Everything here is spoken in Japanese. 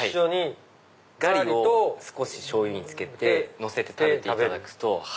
ガリを少ししょうゆにつけてのせて食べていただくと。